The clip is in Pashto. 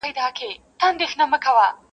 داسي ژوند کي لازمي بولمه مینه.